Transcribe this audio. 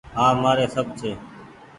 هآن مآري سب ڇي۔